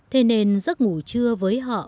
thế nên giấc ngủ trưa với họ